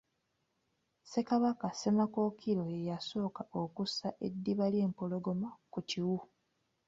Ssekabaka Ssemakookiro ye yasooka okussa eddiba ly’empologoma ku kiwu.